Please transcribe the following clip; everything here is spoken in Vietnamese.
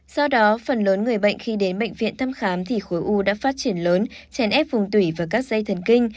do đó phần lớn người bệnh khi đến bệnh viện thăm khám thì khối u đã phát triển lớn chèn ép vùng tủy và các dây thần kinh